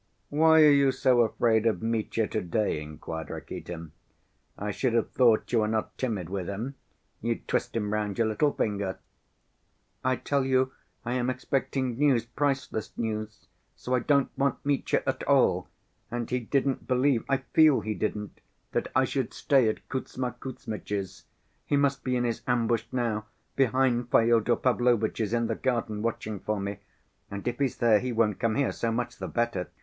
"Why are you so afraid of Mitya to‐day?" inquired Rakitin. "I should have thought you were not timid with him, you'd twist him round your little finger." "I tell you, I am expecting news, priceless news, so I don't want Mitya at all. And he didn't believe, I feel he didn't, that I should stay at Kuzma Kuzmitch's. He must be in his ambush now, behind Fyodor Pavlovitch's, in the garden, watching for me. And if he's there, he won't come here, so much the better!